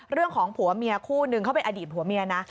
ผัวเมียคู่นึงเขาเป็นอดีตผัวเมียนะ